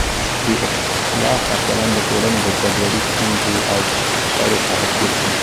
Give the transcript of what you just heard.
بې اخلاقه چلند د ټولنې د ګډوډۍ، ستونزو او شخړو سبب ګرځي.